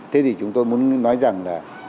thế thì chúng tôi muốn nói rằng là